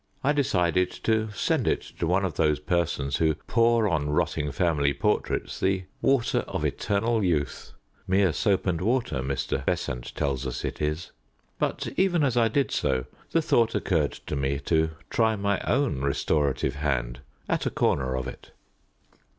I decided to send it to one of those persons who pour on rotting family portraits the water of eternal youth mere soap and water Mr. Besant tells us it is; but even as I did so the thought occurred to me to try my own restorative hand at a corner of it.